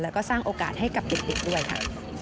แล้วก็สร้างโอกาสให้กับเด็กด้วยค่ะ